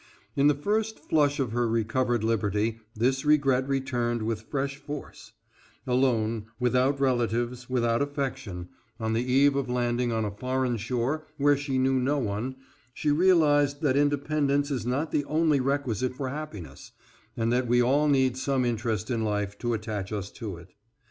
In the first flush of her recovered liberty this regret returned with fresh force; alone, without relatives, without affection, on the eve of landing on a foreign shore where she knew no one, she realized that independence is not the only requisite for happiness, and that we all need some interest in life to attach us to it.